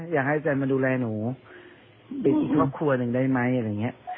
อยากให้อาจารย์มาดูแลหนูเป็นอีกครอบครัวหนึ่งได้มั้ยอะไรอย่างเงี้ย